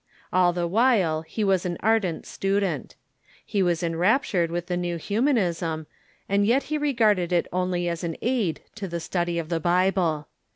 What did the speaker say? All the while he was an ardent student. He was enraptured with the new Humanism, and yet he regarded it only as an aid to the study of the Bible.